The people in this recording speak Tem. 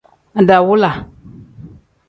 Adawula.